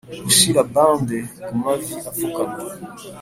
gushira bande kumavi apfukamye,